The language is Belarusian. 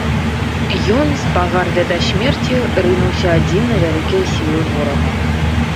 Ён, з пагардай да смерці, рынуўся адзін на вялікія сілы ворага.